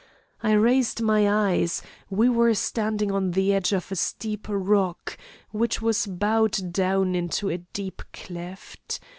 I raised my eyes, we were standing on the edge of a steep rock, which was bowed down into a deep cleft.